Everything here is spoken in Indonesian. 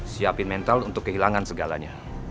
siapin mental untuk kehilangan segalanya